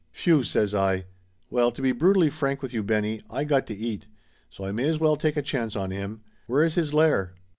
"Whew !" says I. "Well, to be brutally frank with you, Benny, I got to eat. So I may as well take a chance on him. Where is his lair?"